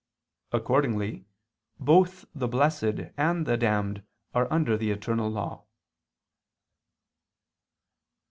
Accordingly both the blessed and the damned are under the eternal law.